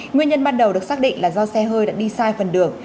nguyên nhân ban đầu được xác định là do xe hơi đã đi sai phần đường